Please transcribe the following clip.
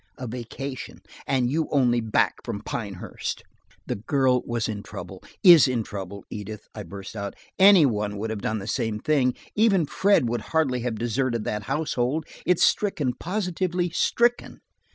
"A vacation, and you only back from Pinehurst!" "The girl was in trouble–is in trouble, Edith," I burst out. "Any one would have done the same thing. Even Fred would hardly have deserted that household. It's stricken, positively stricken."